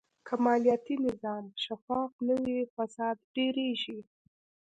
که مالیاتي نظام شفاف نه وي، فساد ډېرېږي.